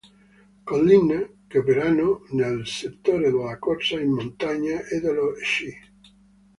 Collina" che operano nel settore della corsa in montagna e dello sci.